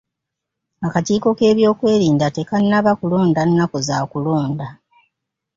Akakiiko k'ebyokulonda tekannaba kulonda nnaku za kulonda.